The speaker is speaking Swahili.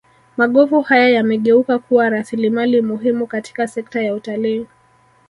magofu haya yamegeuka kuwa rasilimali muhimu katika sekta ya utalii